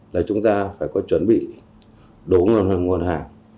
là chúng ta phải có chuẩn bị đúng nguồn hàng nguồn hàng